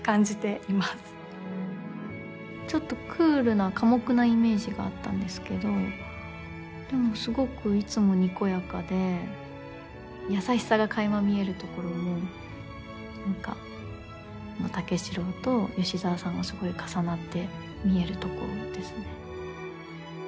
ちょっとクールな寡黙なイメージがあったんですけどでもすごくいつもにこやかで優しさが垣間見えるところも何か武四郎と吉沢さんがすごい重なって見えるところですね。